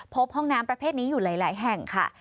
พบห้องน้ำประเภทนี้อยู่หลายแห่งค่ะ